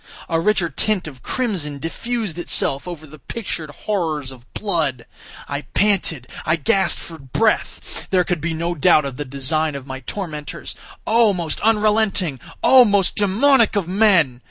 A richer tint of crimson diffused itself over the pictured horrors of blood. I panted! I gasped for breath! There could be no doubt of the design of my tormentors—oh! most unrelenting! oh! most demoniac of men!